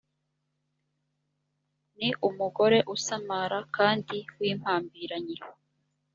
ni umugore usamara kandi w’impambiranyi